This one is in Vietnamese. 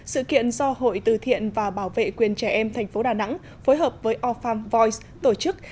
sự kiện do hội từ thiện và bảo vệ quyền trẻ em thành phố đà nẵng phối hợp với orphan voice tổ chức